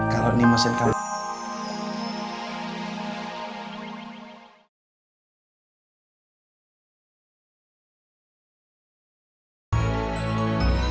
kalau ini masih kamu